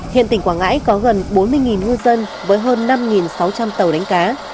hiện tỉnh quảng ngãi có gần bốn mươi ngư dân với hơn năm sáu trăm linh tàu đánh cá